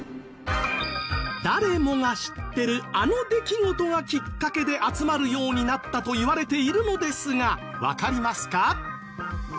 誰もが知ってるあの出来事がきっかけで集まるようになったといわれているのですがわかりますか？